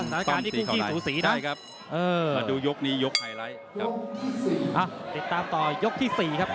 อ๋อติดตามต่อยกที่สี่ครับ